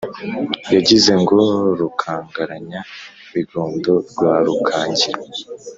yagize ngo rukangaranya-bigondo rwa rukangira